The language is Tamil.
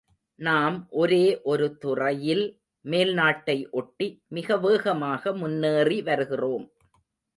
நாம் ஒரே ஒரு துறையில் மேல்நாட்டை ஒட்டி மிக வேகமாக முன்னேறி வருகிறோம்.